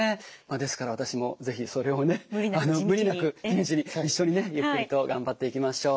ですから私も是非それをね無理なく地道に一緒にねゆっくりと頑張っていきましょう。